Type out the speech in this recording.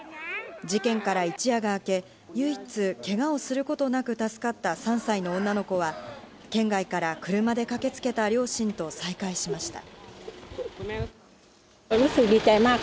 事件から一夜が明け、唯一、けがをすることなく助かった３歳の女の子は県外から車で駆けつけた両親と再会しました。